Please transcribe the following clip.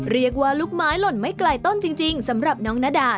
ลูกไม้หล่นไม่ไกลต้นจริงสำหรับน้องนาดา